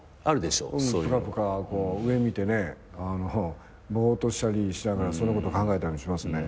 ぷかぷか上見てねぼーっとしたりしながらそんなこと考えたりしますね。